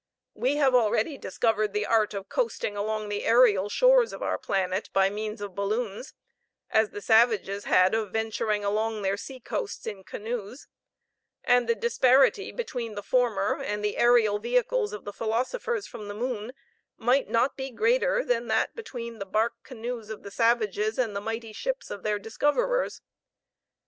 We have already discovered the art of coasting along the aerial shores of our planet by means of balloons, as the savages had of venturing along their sea coasts in canoes; and the disparity between the former and the aerial vehicles of the philosophers from the moon might not be greater than that between the bark canoes of the savages and the mighty ships of their discoverers.